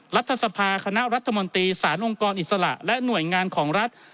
รัฐสภาคณะรัฐมนตรีสารองค์กรอิสระและหน่วยงานของรัฐ